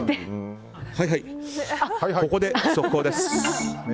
ここで速報です。